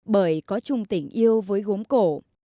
bởi có chung tình yêu với gốm cổ